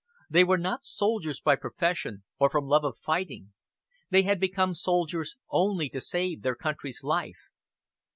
They were not soldiers by profession or from love of fighting; they had become soldiers only to save their country's life.